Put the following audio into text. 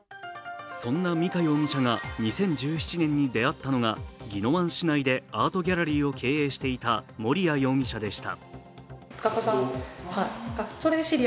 そんな美香容疑者が２０１７年に出会ったのが宜野湾市内でアートギャラリーを経営していた盛哉容疑者でした。